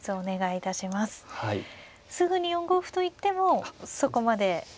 すぐに４五歩と行ってもそこまで。